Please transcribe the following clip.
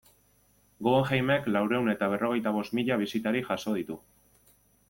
Guggenheimek laurehun eta berrogeita bost mila bisitari jaso ditu.